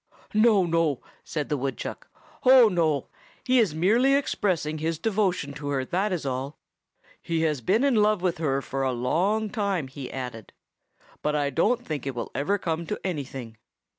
"No, no," said the woodchuck. "Oh, no. He is merely expressing his devotion to her, that is all. He has been in love with her for a long time," he added, "but I don't think it will ever come to anything.